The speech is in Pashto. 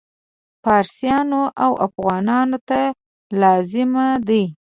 فارسیانو او افغانانو ته لازم دي.